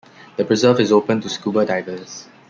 The preserve is open to scuba divers.